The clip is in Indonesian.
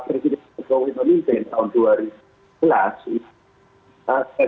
presiden joko widodo ini dari tahun dua ribu sebelas